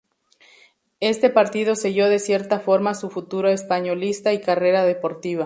Este partido selló de cierta forma su futuro españolista y carrera deportiva.